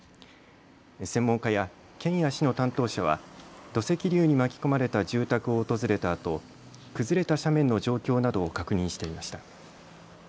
専門家や県や市の担当者は土石流に巻き込まれた住宅を訪れたあと崩れた斜面の状況などを確認していました。